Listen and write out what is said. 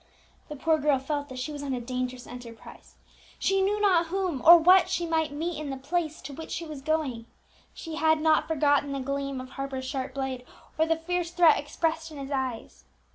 The poor girl felt that she was on a dangerous enterprise. She knew not whom or what she might meet in the place to which she was going; she had not forgotten the gleam of Harper's sharp blade, or the fierce threat expressed in his eyes.